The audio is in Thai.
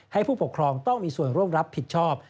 ผู้ปกครองต้องมีส่วนร่วมรับผิดชอบ